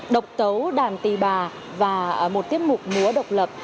độc tấu đàn tì bà và một tiết mục múa độc lập